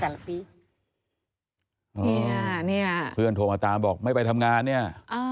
เนี่ยเนี่ยเพื่อนโทรมาตามบอกไม่ไปทำงานเนี่ย